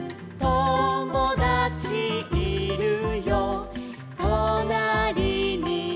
「ともだちいるよ」「となりにいるよ」